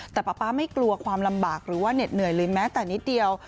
แต่ป๊าป๊าไม่กลัวความลำบากหรือว่าเหน็ดเหนื่อยเลยแม้แต่นิดเดียว